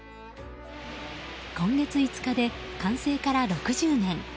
今月５日で完成から６０年。